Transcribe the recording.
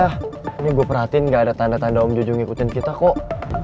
ah ini gue perhatiin gak ada tanda tanda om jojo ngikutin kita kok